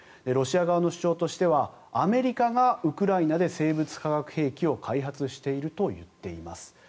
ロシア側の主張としてはアメリカがウクライナで生物・化学兵器を開発していると言っています。